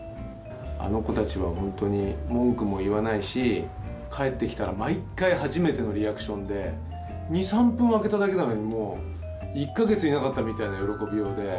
あの子たちは本当に文句も言わないし、帰ってきたら、毎回初めてのリアクションで、２、３分空けただけなのに、もう、１か月いなかったみたいな喜びようで。